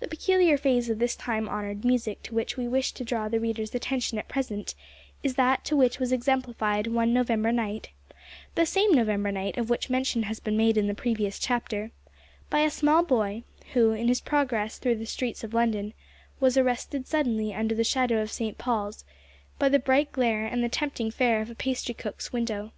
The peculiar phase of this time honoured music to which we wish to draw the reader's attention at present, is that which was exemplified one November night (the same November night of which mention has been made in the previous chapter) by a small boy who, in his progress through the streets of London, was arrested suddenly under the shadow of St. Paul's by the bright glare and the tempting fare of a pastry cook's window.